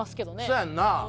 そうやんな。